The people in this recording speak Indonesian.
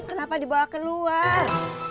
kenapa dibawa keluar